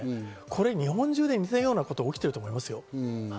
日本中で似たような事が起きていると思います。